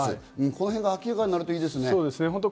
このへんが明らかになるといいですね。